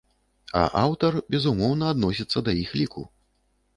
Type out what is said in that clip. А аўтар, безумоўна, адносіцца да іх ліку.